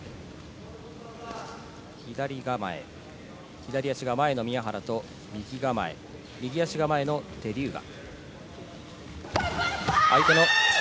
左構え、左足が前の宮原と右構え、右足が前のテリューガ。